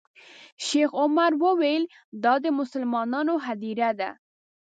شیخ عمر وویل دا د مسلمانانو هدیره ده.